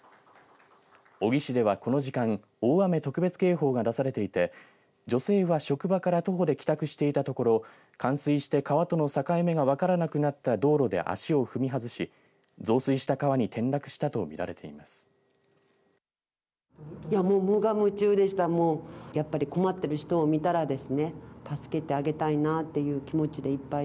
小城市では、この時間大雨特別警報が出されていて女性は職場から徒歩で帰宅していたところ冠水して川との境目が分からなくなった道路で足を踏み外し増水した川に転落したとみられています。